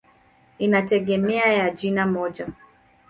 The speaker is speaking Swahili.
Inategemea ya jina moja.